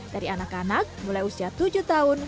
dari anak anak mulai usia tujuh tahun